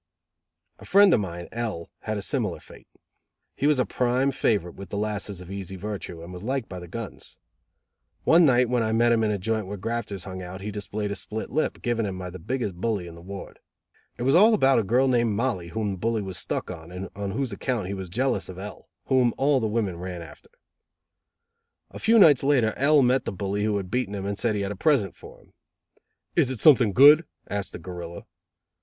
A friend of mine, L , had a similar fate. He was a prime favorite with the lasses of easy virtue, and was liked by the guns. One night when I met him in a joint where grafters hung out, he displayed a split lip, given him by the biggest bully in the ward. It was all about a girl named Mollie whom the bully was stuck on and on whose account he was jealous of L , whom all the women ran after. A few nights later, L met the bully who had beaten him and said he had a present for him. "Is it something good?" asked the gorilla.